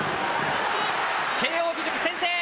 慶応義塾、先制。